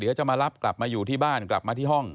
จะมารับกลับมาอยู่ที่บ้านกลับมาที่ห้อง